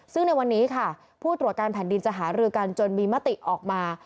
ซึ่งในวันนี้ค่ะผู้ตรวจการแผ่นดินจะหารือกันจนมีมติออกมา